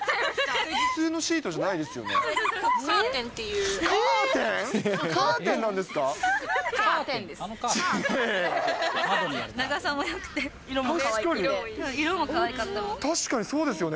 普通のシートじゃないですよね？